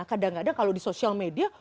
kadang kadang kalau di sosial media